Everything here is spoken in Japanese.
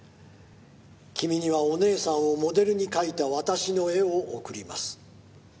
「君にはお姉さんをモデルに描いた私の絵を贈ります」